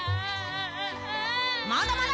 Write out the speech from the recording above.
まだまだ！